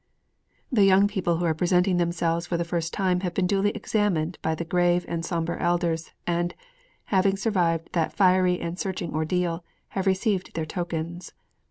The young people who are presenting themselves for the first time have been duly examined by the grave and somber elders, and, having survived that fiery and searching ordeal, have received their tokens.